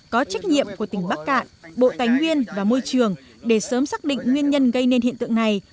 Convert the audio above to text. có trách nhiệm của tỉnh bắc cạn bộ tánh nguyên và môi trường để sớm xác định nguyên nhân gây nên hiện tượng này